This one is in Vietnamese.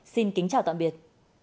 xin kính chào tạm biệt